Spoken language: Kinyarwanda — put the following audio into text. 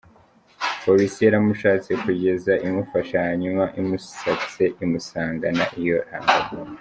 Polisi yaramushatse kugeza imufashe; hanyuma imusatse imusangana iyo rangamuntu.